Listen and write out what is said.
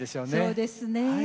そうですねえ。